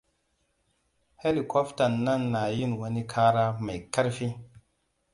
Helikoftan nan na yin wani kara mai karfi.